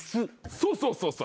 そうそうそうそう。